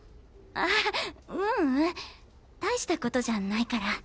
あううん大した事じゃないから。